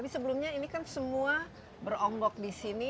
tapi sebelumnya ini kan semua berombok di sini